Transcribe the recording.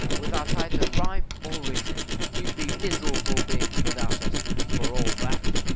_ Without either rhyme or reason; you'd be miserable beings without us, for all that.